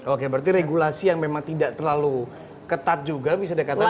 oke berarti regulasi yang memang tidak terlalu ketat juga bisa dikatakan